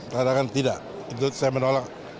katakan tidak itu saya menolak